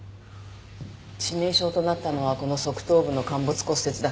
致命傷となったのはこの側頭部の陥没骨折だけど。